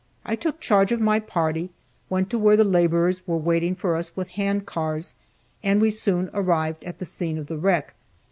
I took charge of my party, went to where the laborers were waiting for us with hand cars, and we soon arrived at the scene of the wreck.